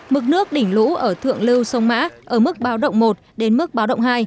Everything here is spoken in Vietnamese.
mực nước đỉnh lũ ở thượng lưu sông mã ở mức báo động một đến mức báo động hai